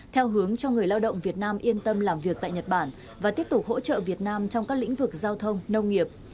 theo hướng cho người lao động việt nam yên tâm làm việc tại nhật bản và tiếp tục hỗ trợ việt nam trong các lĩnh vực giao thông nông nghiệp